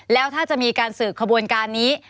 แล้วถ้าจะมีการสืบขบวนการนี้